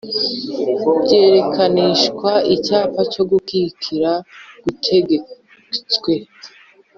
byerekanishwa Icyapa cyo gukikira gutegetswe